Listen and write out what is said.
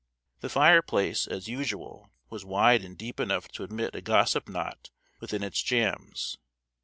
The fireplace, as usual, was wide and deep enough to admit a gossip knot within its jambs.